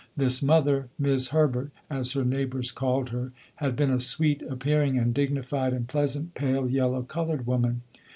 This mother, 'Mis' Herbert, as her neighbors called her, had been a sweet appearing and dignified and pleasant, pale yellow, colored woman.